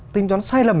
tìm chắn sai lầm